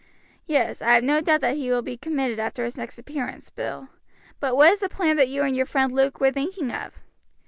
"Yes; I have no doubt he will be committed after his next appearance, Bill; but what is the plan that you and your friend Luke were thinking of?"